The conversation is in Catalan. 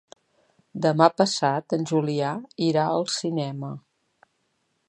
Demà passat en Julià irà al cinema.